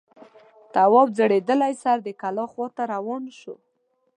تواب ځړېدلی سر د کلا خواته روان شو.